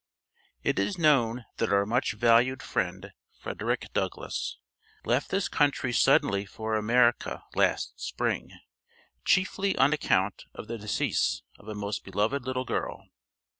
It is known that our much valued friend, Frederick Douglass, left this country suddenly for America last spring, chiefly on account of the decease of a most beloved little girl.